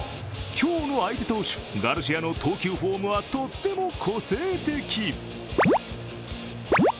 今日の相手投手・ガルシアの投球フォームは、とっても個性的。